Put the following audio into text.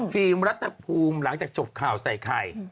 รัฐภูมิหลังจากจบข่าวใส่ไข่